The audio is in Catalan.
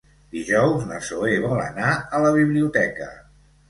Dijous na Zoè vol anar a la biblioteca.